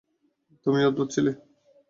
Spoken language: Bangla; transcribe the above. তুমিও অদ্ভুত ছিলে।